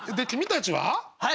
君たちは？